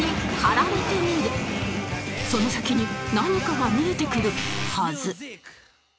その先に何かが見えてくるはず